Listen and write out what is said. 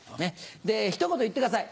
でひと言言ってください。